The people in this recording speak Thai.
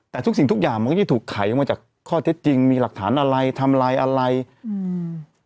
แต่ทุกสิ่งทุกอย่างมันก็จะถูกไขออกมาจากข้อเท็จจริงมีหลักฐานอะไรทำลายอะไรอืม